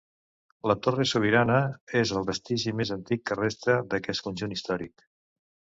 La torre sobirana és el vestigi més antic que resta d'aquest conjunt històric.